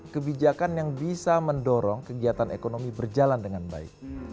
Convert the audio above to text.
kebijakan yang bisa mendorong kegiatan ekonomi berjalan dengan baik